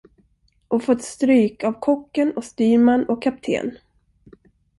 Och fått stryk av kocken och styrman och kapten.